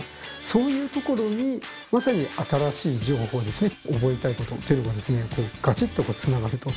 そういう所にまさに新しい情報ですね覚えたいことというのがガチッとつながると。